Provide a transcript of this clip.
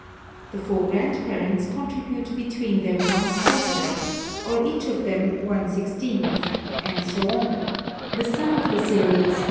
The four grandparents contribute between them one quarter, or each of them one sixteenth ; and p 4 g 16 ni Bl G ii ■■!